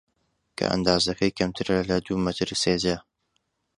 کە ئەندازەکەی کەمترە لە دوو مەتر سێجا